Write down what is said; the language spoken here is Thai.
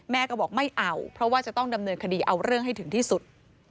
แม่ก็บอกไม่เอาเพราะว่าจะต้องดำเนินคดีเอาเรื่องให้ถึงที่สุด